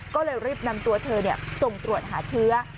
ก็เลยรีบนำตัวเธอส่งตรวจหาเชื้อ